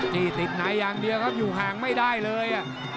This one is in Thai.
นี่ติดในอย่างเดียวครับอยู่ห่างไม่ได้เลย